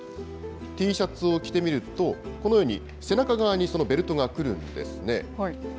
Ｔシャツを着てみると、このように、背中側にそのベルトがくるんですね。